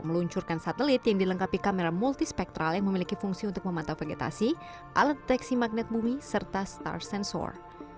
meluncurkan satelit yang dilengkapi kamera multispektral yang memiliki fungsi untuk memantau vegetasi alat deteksi magnet bumi serta star sensor